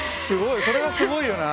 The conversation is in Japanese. すごい。